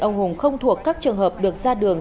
ông hùng không thuộc các trường hợp được ra đường